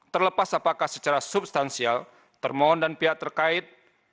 terlepas apakah secara substansial termohon dan pihak terkait